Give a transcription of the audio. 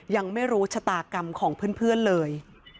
ยังไม่รู้ชะตากรรมของเพื่อนเลย